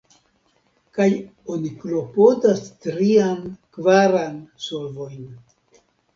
Kaj oni klopodas trian, kvaran solvojn.